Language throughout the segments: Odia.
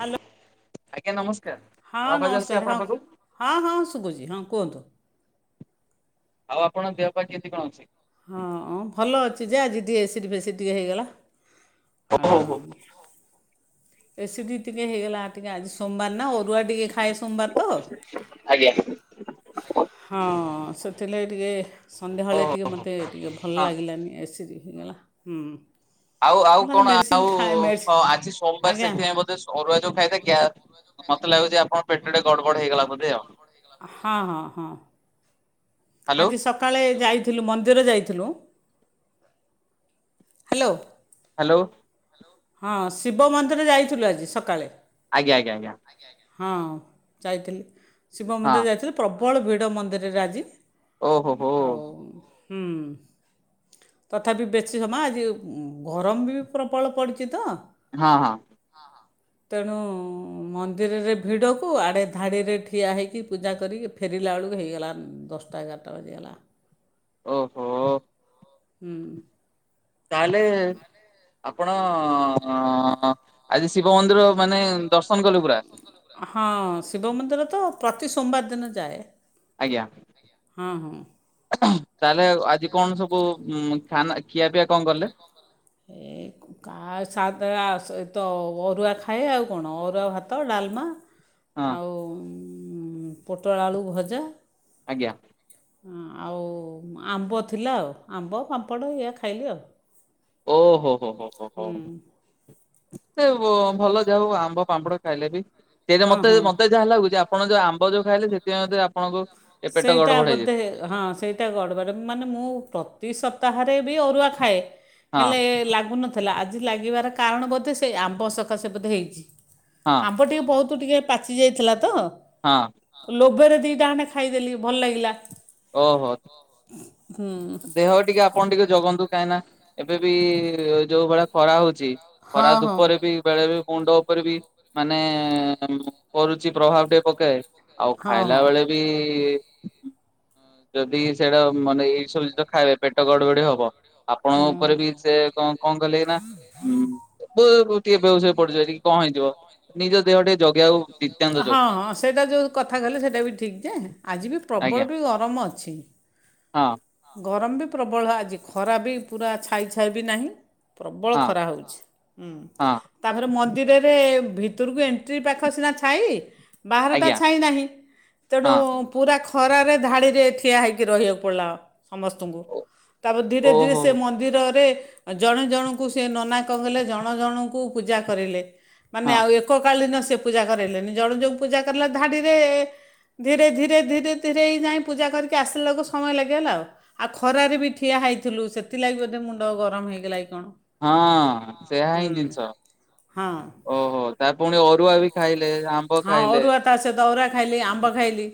ହାଲୋ। ଆଜ୍ଞା ନମସ୍କାର ମୁଁ ଆବାଜ ଆସୁଛି ହଁ ଆପଣ ପାଖକୁ। ହଁ ହଁ ଶୁଭୁଛି ହଁ କୁହନ୍ତୁ। ଆଉ ଆପଣ ଦେହ ପା କିନ୍ତି କଣ ଅଛି? ହଁ ଭଲ ଅଛି ଯେ ଆଜି ଟିକେ ଏସିଡ୍ ଫେସିଡ୍ ଟିକେ ହେଇଗଲା ହଉ ଆଟ। ହଉ ଏସିଡିଟି ଟିକେ ହେଇଗଲା ଟିକେ ଆଜି ସୋମବାର ନା ଅରୁଆ ଟିକେ ଖାଏ ସୋମବାର ତ। ଆଜ୍ଞା। ହଁ ସେଥିଲାଗି ଟିକେ ହଉ ସନ୍ଧ୍ୟାବେଳେ ହଉ ଟିକେ ମୋତେ ଟିକେ ଭଲ ହଁ। ଲାଗିଲାନି ଏସିଡ୍ ହେଇଗଲା। ହୁଁ ଆଉ ଆଉ ନହେଲେ କଣ ମେଡ଼ିସିନ ଆଉ ଖାଏ ମେଡ଼ିସିନ ଆଜି ସୋମବାର ଆଜ୍ଞା ସେଥିପାଇଁ ବ ସରୁଆ ଯୋଉ ଖାଇଲେ ଗ୍ୟା ମତେ ଲାଗୁଛି ଆପଣ ପେଟ ଟଟେ ଗଡ ଗଡ ହେଇଗଲା ବୋଧେ ଆଉ ହଁ ହଁ ହଁ ହ୍ୟାଲୋ ଆଜି ସକାଳେ ଯାଇଥିଲୁ ମନ୍ଦିର ଯାଇଥିଲୁ। ହ୍ୟାଲୋ। ହ୍ୟାଲୋ। ହଁ ଶିବ ମନ୍ଦିର ଯାଇଥିଲୁ ଆଜି ସକାଳେ। ଆଜ୍ଞା ଆଜ୍ଞା ଆଜ୍ଞା। ହଁ ଯାଇଥିଲି ଶିବ ହଁ ମନ୍ଦିର ଯାଇଥିଲି ପ୍ରବଳ ଭିଡ଼ ମନ୍ଦିରରେ ଆଜି। ଓହୋ ହୋ ଆଉ। ହୁ ତଥାପି ବେଶୀ ସମୟ ଆଜି ଗରମ ବି ପ୍ରବଳ ପଡ଼ି କିତ ହଁ ହଁ। ତେଣୁ ମନ୍ଦିରରେ ଭିଡ଼କୁ ଆଡ଼େ ଧାଡ଼ିରେ ଠିଆ ହୋଇଇକି ପୂଜା କରିକି ଫେରିଲା ବେଳକୁ ହେଇଗଲା ଦଶଟା ଏଗାରଟା ବାଜିଗଲା। ଓହୋ। ହୁଁ। ତାହେଲେ ଆପଣ ଆଜି ଶିବ ମନ୍ଦିର ମାନେ ଦର୍ଶନ କଲୁ ପୁରା। ହଁ ଶିବ ମନ୍ଦିର ତ ପ୍ରତି ସୋମବାର ଦିନ ଯାଏ। ଆଜ୍ଞା। ହଁ ହଁ ତାହେଲେ ଆଜି କଣ ସବୁ ଖାନା ଖିଆ ପିଆ କଁ କଲେ। [inaudible] [unintelligible] ଅରୁଆ ଖାଏ ଆଉ କଣ ଅରୁଆ ଭାତ ଡ଼ାଲମା। ହଁ ଆଉ ଉଁ ପୋଟଳ ଆଳୁ ଭଜା। ଆଜ୍ଞା। ହଁ ଆଉ ଆମ୍ବ ଥିଲା ଆଉ ଆମ୍ବ ପାମ୍ପଡ଼ ଏୟା ଖାଇଲି ଆଉ। ଓହୋ ହୋ ହୋ। ହୋ ହୋ ହୁଁ। ସେ ଭ ଭଲ ଯାହା ହୋଉ ଆମ୍ବ ପାମ୍ପଡ ଖାଇଲେ ବି। ସେଇଡ଼ା ହଁ ମତେ ହଁ ମତେ ଯାହା ଲାଗୁଚି ଆପଣ ଯୋଉ ଆମ୍ବ ଯୋଉ ଖାଇଲେ ସେଥିପାଇଁ ବୋଧେ ଆପଣଙ୍କୁ ଏ ପେଟ ସେଇଟା ଗଡ ବଡ ହେଇ ଯା ବୋଧେ ହଁ ସେଇଟା ଗଡ଼ବଡ଼ ମାନେ ମୁଁ ପ୍ରତି ସପ୍ତାହରେ ବି ଅରୁଆ ଖାଏ। ହଁ ହେଲେ ଲାଗୁନଥିଲା। ଆଜି ଲାଗିବାର କାରଣ ବୋଧେ ସେ ଆମ୍ବ ସକାଶେ ବୋଧେ ହେଇଛି। ହଁ। ଆମ୍ପ ଟିକେ ବୋହୁତ ଟିକେ ପାଚି ଯାଇଥିଲା ତ। ହଁ। ଲୋଭେରେ ଦିଟା ଖଣ୍ଡେ ଖାଇଦେଲି ଭଲ ଲାଗିଲା। ଓହୋ ହୁଁ ଦେହ ଟିକେ ଆ ପଣ ଟିକେ ଜଗନ୍ତୁ କାହିଁକିନା ଏବେ ବି ଯୋଉ ଭଳିଆ ଖରା ହୋଉଚି ଖରା ହଁ ହଁ ଦୂପରେ ବି ବେଳେ ବି ମୁଣ୍ଡ ଉପରେ ବି ମାନେ କରୁଛି ପ୍ରଭାବ ଟିକେ ପକାଏ। ଆଉ ହଁ ଖାଇଲା ହଁ। ବେଳେ ବି ଯଦି ସେଟା ମାନେ ଏଇ ସବୁ ଜିନିଷ ଖାଇବେ ପେଟ ଗଡ ବଡି ହବ। ଆପଣଙ୍କ ଉପରେ ହୁଁ ବି ସେ କଁ କଁ କଲେ ନା ଉଁ [unintelligible] ଟିକେ ବେହୋସ୍ ହେଇ ପଡିଯିବେ କି କଁ ହେଇଯିବ। ନିଜ ଦେହ ଟିକେ ଜଗିବାକୁ ନିତ୍ୟାନ୍ତ ହଁ ଜରୁରୀ ହଁ ସେଟା ଯେଉଁ କଥା କହିଲ ସେଟା ବି ଠିକ୍ ଯେ ଆଜି ବି ଆଜ୍ଞା ପ୍ରବଳ ବି ଗରମ ଅଛି। ହଁ। ଗରମ ବି ପ୍ରବଳ ଆଜି ଖରା ବି ପୁରା ଛାଇ ଛାଇ ବି ନାହିଁ। ପ୍ରବଳ ହଁ ଖରା ହୋଉଛି ହଁ ତାପରେ ମନ୍ଦିର ରେ ଭିତୁରୁକୁ ଏଣ୍ଟ୍ରି ପାଖ ସିନା ଛାଇ। ବାହାରଟା ଆଜ୍ଞା ଛାଇ ନାହିଁ ହଁ [unintelligible] ପୁରା ଖରାରେ ଧାଡ଼ିରେ ଠିଆ ହେଇକି ରହିବାକୁ ପଡ଼ିଲା। ସମସ୍ତଙ୍କୁ ତାପରେ ଧୀରେ ଧୀରେ ଓହୋ ସିଏ ମନ ନ୍ଦିରରେ ଜଣେ ଜଣଙ୍କୁ ସେ ନନା କଁ କଲେ ଜଣ ଜଣଙ୍କୁ ପୂଜା କରେଇଲେ। ମାନେ ହଁ ଆଉ ଏକକାଳୀନ ସେ ପୂଜା କରାଇଲେନି ଜଣେ ଯୋଉ ପୂଜା କରିଲା ଧାଡ଼ିରେ ଧୀରେ ଧୀରେ ଧୀରେ ଧୀରେଇ ଯାଇଁ ପୂଜା କରିକି ଆସିଲା ଆଳୁକୁ ସମୟ ଲାଗିଗଲା ଆଉ। ଆଉ ଖରାରେ ବି ଠିଆ ହେଇଥିଲୁ ସେଥିଲାଗି ବୋଧେ ମୁଣ୍ଡ ଗରମ ହେଇଗଲା କି କଣ। ହଁ ସେହା ହୁଁ ହିଁ ଜିନିଷ ହଁ ଓହୋ ତା ପୁଣି ଅରୁଆ ବି ଖାଇଲେ ଆମ୍ବ ହଁ ଖାଇଲେ। ଅରୁଆ ତା ସହିତ ଅରୁଆ ଖାଇଲି ଆମ୍ବ ଖାଇଲି।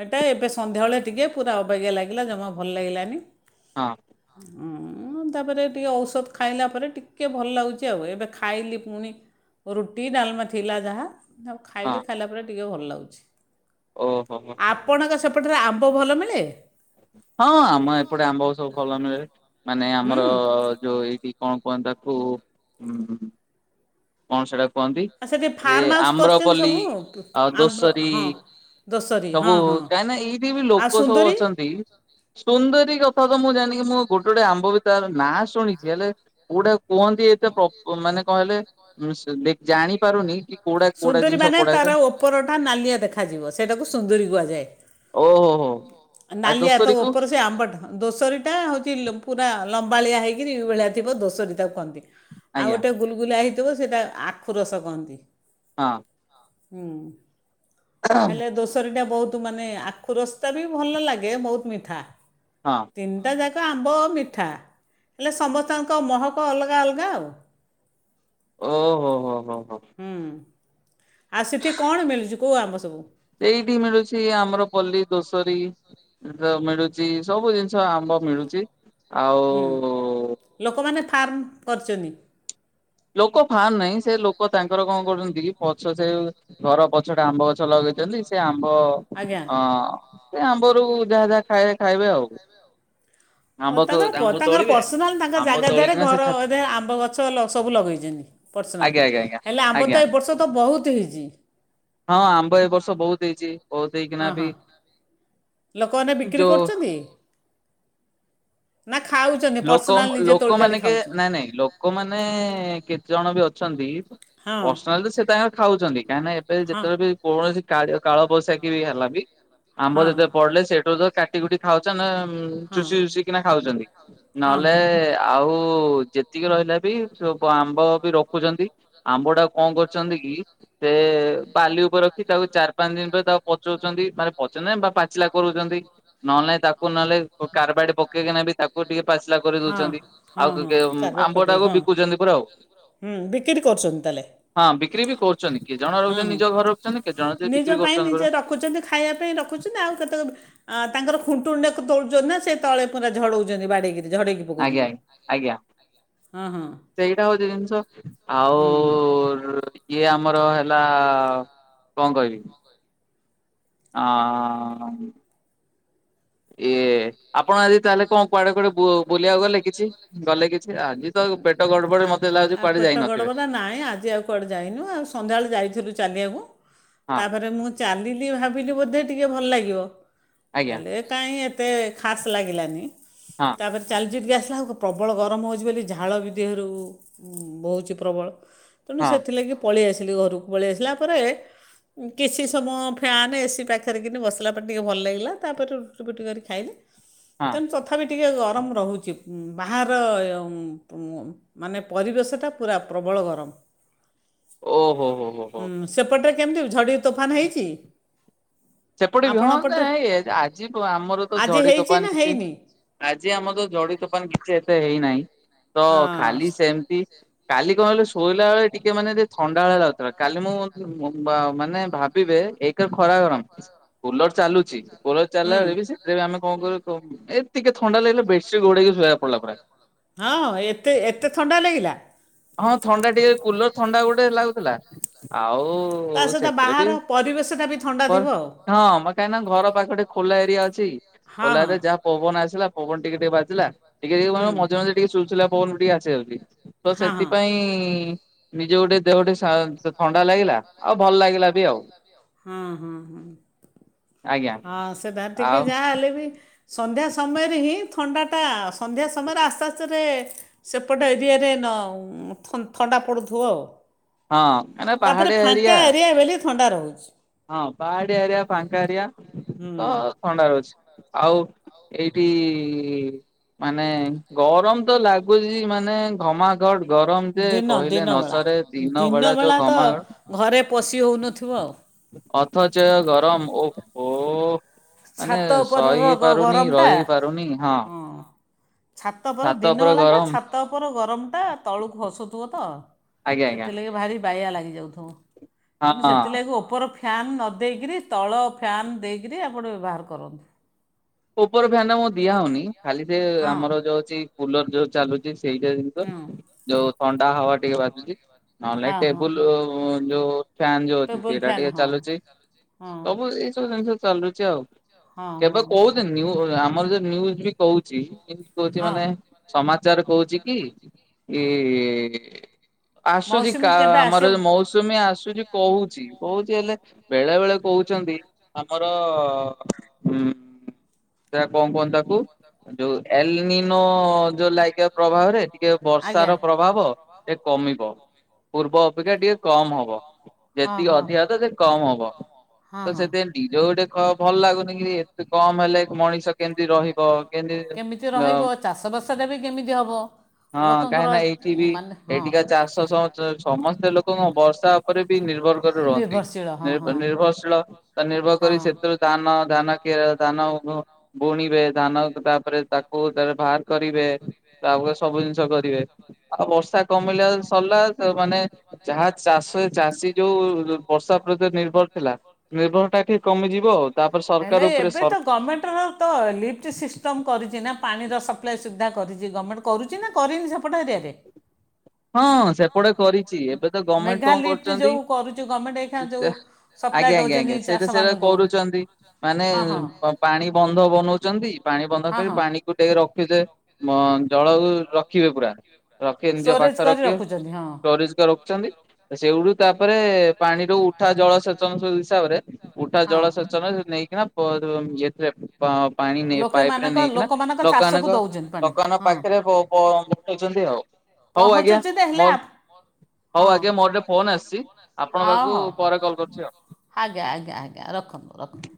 ହେଟା ଏବେ ସନ୍ଧ୍ୟାବୋଳେ ଟିକେ ପୁରା ଅବାଗିଆ ଲାଗିଲା ଜମା ଭଲ ଲାଗିଲାନି। ହଁ। ହୁଁ। ହୁଁ ତାପରେ ଟିକେ ଔଷଧ ଖାଇଲା ପରେ ଟିକେ ଭଲ ଲାଗୁଛି ଆଉ ଏବେ ଖାଇଲି ପୁଣି ରୁଟି ଡାଲମା ଥିଲା ଯାହା। ତାକୁ ହଁ ଖାଇଲି ଖାଇଲା ପରେ ଟିକେ ଭଲ ଲାଗୁଛି। ଓହୋ ହୋ ଆପଣଙ୍କ ସେ ପଟରେ ଆମ୍ବ ଭଲ ମିଳେ? ହଁ ଆମ ଏପଟେ ଆମ୍ବ ସବୁ ଭଲ ମିଳେ। ମାନେ ଆମର ହୁଁ। ଯୋଉ ଏଇଠି କଣ କୁହନ୍ତି ତାକୁ ଉଁ ହୁଁ କଣ ସେରାକୁ କୁହନ୍ତି? ଆଉ ସେଠି ଯେ ଫାର୍ମ ହାଉସ୍ କରିଛନ୍ତି ଆବ୍ରପଲ୍ଲୀ ସବୁ ଆଉ ଆମ୍ବ୍ର ଦୋଷରୀ। ହଁ ଦୋଷରୀ ହଁ ସବୁ ହଁ କାହିଁକି ନା ଏଇଠି ବି ଆଉ ଲୋକୋ ସବୁ ସୁନ୍ଦରୀ ଅଛନ୍ତି। ସୁନ୍ଦରୀ କଥା ତ ମୁଁ ଜାଣିନି। ମୁଁ ଗୋଟେ ଗୋ ଆମ୍ବ ବି ତାର ନାଁ ଶୁଣିଛି। ହେଲେ କୋଉଟା କୁହନ୍ତି ଏତେ ମାନେ କହିଲେ ଜାଣି ପାରୁନି କି କୋଉଟା କୋଉଟା ସୁନ୍ଦରୀ ଜିନିଷ ମାନେ ତାର କୋଉଟା ଉପରଟା ନାଲିଆ ଦେଖାଯିବ। ସେଇଟାକୁ ସୁନ୍ଦରୀ କୁହାଯାଏ। ଓହୋ ହୋ ଆ ନାଲିଆ ତ ଦୋସରୀକୁ ଉପର ସେ ଆମ୍ବଟା ଦୋଷରିଟା ହେଉଛି ପୁରା ଲମ୍ବାଳିଆ ହେଇକିରି ଏଇ ଭଳିଆ ଥିବ ଦୋଷରିଟ ତାକୁ କହନ୍ତି। ଆଉ ଆଜ୍ଞା ଗୋଟେ ଗୁଲଗୁଲା ହେଇଥିବ ସେଇଟା ଆଖୁ ରସ କହନ୍ତି। ହଁ। ହୁଁ। ହେଲେ ଦୋଷରିଟା ବୋହୁତ୍ ମାନେ ଆଖୁ ରସତା ବି ଭଲ ଲାଗେ। ବହୁତ ମିଠା। ହଁ। ତିନିଟା ଯାକ ଆମ୍ବ ଆଉ ମିଠା। ହେଲେ ସମସ୍ତଙ୍କ ମହକ ଅଲଗା ଅଲଗା ଆଉ। ଓ ହୋ ହୋ, ହୋ, ହୋ। ହୁଁ। ଆଉ ସେଠି କଣ ମିଳୁଛି? କୋଉ ଆମ୍ବ ସବୁ? ସେଇଠି ମିଳୁଛି ଆମର ପଲ୍ଲୀ ଦୋସରୀ ମିଳୁଛି ସବୁ ଜିନିଷ ଆମ୍ବ ମିଳୁଛି ଆଉ ହୁଁ ଲୋକମାନେ ଫାର୍ମ କରିଛନ୍ତି। ଲୋକ ଫାର୍ମ ନାହିଁ, ସେ ଲୋକ ତାଙ୍କର କଣ କରୁଛନ୍ତି ପଛ ସେ ଘର ପଛଟେ ଆମ୍ବ ଗଛ ଲଗେଇଛନ୍ତି ସେ ଆମ୍ବ ଆଜ୍ଞା ହଁ, ସେ ଆମ୍ବରୁ ଯାହା ଯାହା ଖାଇ- ଖାଇବେ ଆଉ। ଆମ୍ବ ତାଙ୍କର ଆମ୍ବ ପ-ତାଙ୍କର ତୋଳିବେ ପର୍ସନାଲ ତାଙ୍କ ଆମ୍ବ ଜାଗା ଦେହରେ ତୋଳିକିନା ସେ ଘର ଆମ୍ବ ଗ ଗଛ ସବୁ ଲଗେଇଛନ୍ତି ପର୍ସନାଲ୍, ଆଜ୍ଞା ଆଜ୍ଞା ଆଜ୍ଞା ହେଲେ ଆମ୍ବ ଆଜ୍ଞା ତ ଏ ବର୍ଷ ତ ବହୁତ ହେଇଛି। ହଁ ଆମ୍ବ ଏ ବର୍ଷ ବୋହୁତ୍ ହେଇଛି। ବହୁତ ହେଇକିନା ହଁ ବି ହଁ ଲୋକମାନେ ବିକ୍ରି ଯୋଉ କରୁଛନ୍ତି? ନା ଖାଉଛନ୍ତି? ଲୋକ ପର୍ସନାଲ ନିଜେ ତୋଳି ଲୋକମାନେ ତାଳି କେ ନାଇଁ ଖାଉଛନ୍ତି। ନାଇଁ ଲୋକମାନେ କେତେ ଜଣ ବି ଅଛନ୍ତି, ହଁ ପର୍ସନାଲି ସେ ତାାଙ୍କ ଖାଉଛନ୍ତି କାହିଁକିନା ଏବେ ହଁ ରେ ବି କୌଣସି କ କାଳବୈଶାଖୀ ବି ହେଲାନି ଆମ୍ବ ହଁ ଯେତେ ପଡିଲେ ସେଇଠାରୁ ତ କାଟି କୁଟି ଖାଉଛ ନା ହଁ ଚୁସି ଚୁସି କିନା ଖାଉଛନ୍ତି? ହଁ ହଁ ନହେଲେ ଆଉ ଯେତିକି ରହିଲା ବି ସ ଆମ୍ବ ବି ରଖୁଛନ୍ତି। ଆମ୍ବ ଟା କଣ କରୁଛନ୍ତି କି, ସେ ବାଲି ଉପର ତାକୁ ଚାରି ପାଞ୍ଚ ଦିନ ପରେ ତାକୁ ପଚଉଛନ୍ତି ମାନେ ପଚନ ବା ପାଚିଲା କରୁଛନ୍ତି। ନହେଲେ ତାକୁ ନହେଲେ କାରବାଡି ପକେଇକିନା ବି ତାକୁ ଟିକେ ପାଚିଲା କରି ହଁ ଦଉଛନ୍ତି। ହଁ ଆଉ ହଁ ଟିକେ କାର୍ପେଟ୍ ଆମ୍ବ ପକେଇ ଟାକୁ ହଁ ବିକୁଛନ୍ତି ପୁରା ଆଉ। ହୁଁ ବିକ୍ରି କରୁଛନ୍ତି ତାହେଲେ ହଁ ବିକ୍ରି ବି କରୁଛନ୍ତି, କିଏ ଜଣେ ହଁ ରହୁଛନ୍ତି ହଁ ନିଜ ଘ ନିଜ ପାଇଁ ନିଜେ ରଖୁଛନ୍ତି ଖାଇବା ପାଇଁ ରଖୁଛନ୍ତି ଆଉ କେତେ ଆ ତାଙ୍କର ଖୁଣ୍ଟୁଣ୍ଡାକୁ ତୋଳୁଛନ୍ତି ନା ସେ ତଳେ ପୁରା ଝଡଉଛନ୍ତି ବାଡିକିରି ଝଡେଇକିରି। ଆଜ୍ଞା ଆଜ୍ଞା। ହଁ ହଁ। ସେଇଟା ହଉଛି ଜିନିଷ। ଆଉ ହୁଁ ଇଏ ଆମର ହେଲା, କଣ କହିବି? ଅ ହ ଇଏ, ଆପଣ ଆଜି ତାହେଲେ କଣ କୁଆଡେ କୁଆଡେ ବୁଲିବାକୁ ଗଲେ କିଛି, ଗଲେ କିଛି ଆଜି ତ ପେଟ ଗଡବଡି ମେ ଆଉ ପେଟ ଗଡ ବ ନାଇ ଆଜି ଆଉ କୁଆଡ଼େ ଯାଇନୁ। ଆଉ ସନ୍ଧ୍ୟାବେଳେ ଯାଇଥିଲୁ ଚାଲିବାକୁ। ହଁ ତାପରେ ମୁଁ ଚାଲିଲି ଭାବିଲି ବୋଧେ ଟିକେ ଭଲ ଲାଗିବ, ଆଜ୍ଞା ହେଲେ କାଇଁ ଏତେ ଖାସ୍ ଲାଗିଲାନି ହଁ। ତାପରେ ଚାଲିଛିି ଆସିଲା ଆଉ ପ୍ରବଳ ଗରମ ହେଉଛି ବୋଲି ଝାଳ ବି ଦେହରୁ ବଉଛି ପ୍ରବଳ ତେଣୁ ହଁ ସେଥିଲାଗି ପଳେଇ ଆସିଲି ଘରକୁ ପଳେଇ ଆସିଲା ପରେ କିଛି ସମୟ ଫ୍ୟାନ୍ ଏସି ପାଖରେ କିିନି ବସିଲା ପରେ ଟିକେ ଭଲ ଲାଗିଲା ତାପରେ ରୁଟି ଫୁଟି କରି ଖାଇଲି ହଁ ତେଣୁ ତଥାପି ଟିକେ ଗରମ ରହୁଛି ବାହାର ମାନେ ପରିବେଶଟା ପୁରା ପ୍ରବଳ ଗରମ। ଓ ହୋ ହୋ ହୋ ହୋ। ହୁଁ ସେପଟରେ କେମିତି ଝଡ଼ି ତୋଫାନ ହେଇଛି। ସେପଟେ ବି ହଁ ଆପଣଙ୍କ ପଟରେ ଏଇ ଆଜି ଆମର ତ ଆଜି ଝଡି ହେଇଛି ତୋଫାନ ନା କିଛି ହେଇନି ଆଜି ଆମର ତ ଜଡି ତୋପାନ କିଛି ଏତେ ହେଇନାହିଁ। ତ ହଁ ଖାଲି ସେମିତି କାଲି କଣ କିଲ ଶୋଇଲା ବେଳେ ଟିକେ ମାନେ ଟିକ ଥଣ୍ଡା ବେଳେଆ ଲାଗୁଥିଲା କାଲି ମୁଁ ମାନେ ଭାବିବେ ଖରା ଗରମ କୁଲର ଚାଲୁଛି କୁଲର ହୁଁ ଚାଲିଲ ବେଳେ ବି ସେ ଯେବେ କଣ କରୁ ଏ ଟିକେ ଥଣ୍ଡା ଲାଗିଲେ ବେଡସିଟ ଗୋଡେଇକି ଶୋଇକୁ ପଡିଲା ପୁରା। ହଁ ଏତେ ଏତେ ଥଣ୍ଡା ଲାଗିଲା? ହଁ ଥଣ୍ଡା ଟିକେ କୁଲର ଥଣ୍ଡା ଗୋଟେ ଲାଗୁଥିଲା। ଆଉ ତା ଓ ସହିତ ସେଥିରେ ବି ବାହାର ପରିବେଶଟା ବି ଥଣ୍ଡା ବର ଥିବ ଆଉ ହଁ। କାହିଁକି ନା ଘର ପାଖରେ ଟିକେ ଖୋଲା ଏରିଆ ଅଛି ହଁ ଖୋଲା ହଁ ଏରେ ଯାହା ପବନ ଆସିଲା ପବନ ଟିକେ ଟିକେ ବାଜିଲା ଟିକେ ଟିକେ କଣ ହୁଁ ମଝିରେ ମଝିରେ ଟିକେ ସୁଲ୍ ସୁଲିଆ ପବନ ଟିକେ ଆସିଯାଉଛି ତ ସେ ହଁ ହଁ ନିଜେ ଗୋଟେ ଦେହଟେ ଥଣ୍ଡା ଲାଗିଲା ଆଉ ଭଲ ଲାଗିଲା ବି ଆଉ। ହଁ ହଁ ହଁ ଆଜ୍ଞା। ହଁ ସେ ଦାର ଟିକେ ଆଉ ଯାହା ହେଲେ ବି ସନ୍ଧ୍ୟା ସମୟରେ ହିଁ ଥଣ୍ଡାଟା ସନ୍ଧ୍ୟା ସମୟରେ ଆସ୍ତେ ଆସ୍ତେ ରେ ସେପଟେ ଏରିଆରେ ନଉ ଥଣ୍ଡା ପଡ଼ୁଥିବ ଅ ହଁ ମାନେ ତାପରେ ପାହାଡିଆ ଫାଙ୍କା ଏରିଆ ବଲି ଥଣ୍ଡା ରହୁଚି। ହଁ ପାହାଡିଆ ଏରିଆ ଫାଙ୍କା ଏରିଆ ତ ହୁଁ ଥଣ୍ଡା ରହୁଛି। ଆଉ ଏଇଠି ମାନେ ଗରମ ତ ଲାଗୁଛି ମାନେ ଘମା ଗଡ୍‌ ଗରମ ଯେ ଦିନ କହିଲେ ଦିନବେଳା ନସରେ ଦିନ ବେଳା ଯୋଉ ଦିନବେଳା ତ ଘମାଘ ଘରେ ପଶି ହୋଉନଥିବ ଆଉ। ଅଥଚ ଗରମ ଓହୋ। ମାନେ ଛାତ ଉପରର ସହି ଗ- ପାରୁନି ଗରମଟା ରହି ପାରୁନି ହଁ। ଛାତ ଉପର ଗରମ ତା ଉପର ଗରମ ଟା ତଳକୁ ଖସୁଥିବ ତ ଆଜ୍ଞା ଆଜ୍ଞା ସେଥିଲେ ଭାରି ବାଇଆ ଲାଗି ଯାଉଥିବ ତ ମୁଁ ସେଠି ହଁ। ଲାଗି ଉପର ଫ୍ୟା ଫ୍ୟାନ୍ ନ ଦେଇକରି ତଳ ଫ୍ୟାନ୍ ଦେଇକରି ଆପଣ ବ୍ୟବହାର କରନ୍ତୁ। ଉପର ଫ୍ୟାନ ଆମ ଦିଆ ହୋଉନି ଖାଲି ସେ ହଁ ଆମର ଯୋଉ ଅଛି କୁଲର ଯୋଉ ଚାଲୁ ଇଏ ସେଇ ଟାଇପ୍ ର ହଁ ଯୋଉ ଥଣ୍ଡା ହ୍ୟାୱା ଟିକେ ବାଜୁଚି। ନହେଲେ ହଁ ହଁ ଟେବୁଲ ହଁ ଯୋଉ ଫ୍ୟାନ ଯୋଉ ଅଛି ଟେବୁଲ୍ ସେଇଟା ଫ୍ୟାନ୍ ଟିକେ ହଁ ଚାଲୁଚି। ହଁ ସବୁ ଏଇ ସବୁ ଜିନିଷ ଚାଲୁଚି ଆଉ। ହଁ ହଁ ହଁ। ନିୟୁ ଆମର ଯୋଉ ନିୟୁଡି କହୁଛି କହୁଛି ହଁ ମାନେ ସମାଚାର କହୁଛି କି ଇ ଆସୁଚି ମୌସୁମୀ କା କେବେ ଆମର ଆସିବ ମୋଉ ସୁମୀ ଆସୁଚି କହୁଚି କହୁଚି ହେଲେ ବେଳେ ବେଳେ କହୁଛନ୍ତି। ଆମର ଉଁ ସେରା କଣ କୁହନ୍ତି ତାକୁ? ଯୋଉ ଏଲିନିନୋ ଯୋଉ ଲାଇକ୍ଏ ପ୍ରଭାବରେ ଟିକେ ବର୍ଷା ଆଜ୍ଞା। ର ପ୍ରଭାବ ସେ କମିବ। ପୂର୍ବ ଅପେକ୍ଷା ଟିକେ କମ୍ ହବ ହଁ ଯେତିକି ହଁ ଅଧିକା ହତ ସେ କମ୍ ହବ ହଁ ତ ହଁ। ସେଥି ନିଜକୁ ଗୋଟେ ଖ ଭଲ ଲାଗୁନି କି ଏତେ କମ୍ ହେଲେ ମଣିଷ କେମିତି ରହିବ କେମିତି ଅ ରହିବ ଚାଷବାସଟା ବି କେମିତି ହେବ ହଁ ଲୋକଙ୍କର କାହିଁକି ନା ଏଇଠି ବି ମାନେ ହଁ। ଏଠିକା ଚାଷ ସମସ୍ତେ ଲୋକଙ୍କ ବର୍ଷା ଉପରେ ବି ନିର୍ଭର କରି ରୁହନ୍ତି ନିର୍ଭରଶୀଳ ହଁ ହଁ ନିର୍ଭରଶୀଳ ତା ନିର୍ଭର କରି ହଁ। ସେଥିରୁ ଧାନ ଧାନ କି ଧାନ ବୁଣିବେ ଧାନ ତାପରେ ତାକୁ ତା ବାହାର କରିବେ ଚାଉଳ ସବୁ ଜିନିଷ କରିବେ ଆଉ ବର୍ଷା କମିଲା ସରିଲା ତା ମାନେ ଯାହା ଚାଷ ଚାଷୀ ଯୋଉ ବର୍ଷା ପ୍ରତି ନିର୍ଭର ଥିଲା, ନିର୍ଭରଟା କମିଯିବ ଆଉ ତାପରେ ହେଲେ ସରକାର ଏବେ ସର ତ ଗଭର୍ଣ୍ଣମେଣ୍ଟର ତ ଲିଫ୍ଟ ସିଷ୍ଟମ କରିଚି ନା ପାଣିର ସପ୍ଲାଏ ସୁବିଧା କରିଚି ଗଭର୍ଣ୍ଣମେଣ୍ଟ କରୁଚି ନା କରିନି ସେପଟ ଏରିଆରେ [inaudible] ହଁ ସେପଟେ କରିଚି ଏବେ ତ ଗଭର୍ଣମେଣ୍ଟ ମେଘା କଣ ଲିଫ୍ଟ କରୁଚନ୍ତି। ଯୋଉ କରୁଛି ଗଭର୍ଣ୍ଣମେଣ୍ଟ ଏଇଖା ଯୋଉ ସପ୍ଲାଏ ଦୋଉଚନ୍ତି। ସେଟା କରୁଚନ୍ତି ମାନେ ପାଣି ବନ୍ଧ ବନଉଚନ୍ତି ପାଣି ବନ୍ଧ ହଁ କରି ହଁ ପାଣି ଟେ ରଖିଚେ ଜଳକୁ ରଖିବେ ପୁରା ରଖିବେ ନିଜ ପାଖ ଷ୍ଟୋରେଜ କରି ରଖିବେ। ରଖୁଛନ୍ତି ହଁ ଷ୍ଟୋରେଜ କ ରଖିଛନ୍ତି। ସେଇଗୁଠୁ ତାପରେ ପାଣି ର ଉଠା ଜଳ ସେଚନ ସବୁ ହିସାବରେ ଉଠା ହଁ ଜଳସେଚନ ନେଇକି ପ [unintelligible] ପାଣି ନେଇ ପାଇପ ରେ ଲୋକମାନଙ୍କ ନେଇକିନା ଲୋକମାନଙ୍କ ଚାଷକୁ ଲୋକମାନଙ୍କ ଦେଉଛନ୍ତି ପାଣି ଲୋକାନଙ୍କ ହଁ ପାଖରେ ପ ପ ପକଇଛନ୍ତି ଆଉ। ହଉ ଆଜ୍ଞା ପହଞ୍ଚୁଛି ଯେ ହେଲେ ମୋର ଆ ହଉ ଆଜ୍ଞା ମୋର ଟେ ଫୋନ ଆସିଛି ଆପଣଙ୍କ ହଉ ପାଖକୁ ହଉ ହଉ ପରେ କଲ୍ କରୁଚି ଆଉ। ଆଜ୍ଞା ଆଜ୍ଞା ଆଜ୍ଞା ରଖନ୍ତୁ ରଖନ୍ତୁ।